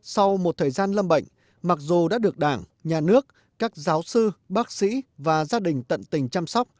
sau một thời gian lâm bệnh mặc dù đã được đảng nhà nước các giáo sư bác sĩ và gia đình tận tình chăm sóc